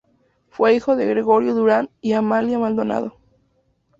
Fue hijo de Gregorio Durand y Amalia Maldonado.